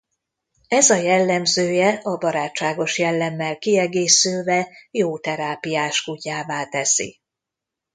Ez a jellemzője a barátságos jellemmel kiegészülve jó terápiás kutyává teszi.